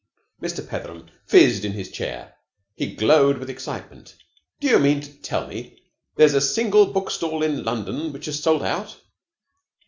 Mr. Petheram fizzed in his chair. He glowed with excitement. "Do you mean to tell me there's a single book stall in London which has sold out?